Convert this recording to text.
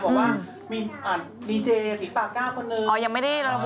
บอกว่ามีดีเจสหิตปากก้าวคนหนึ่ง